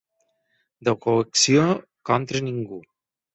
De coacció contra ningú.